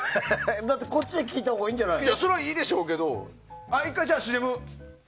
だってこっちで聴いたほうがいいんじゃないの？